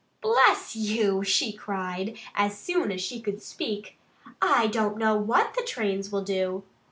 "Bless you!" she cried, as soon as she could speak. "I don't know what the trains will do.